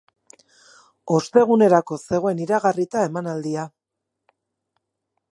Ostegunerako zegoen iragarrita emanaldia.